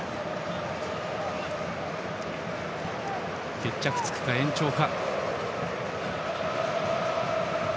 決着つくか、延長か。